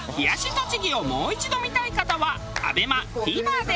栃木をもう一度見たい方はＡＢＥＭＡＴＶｅｒで。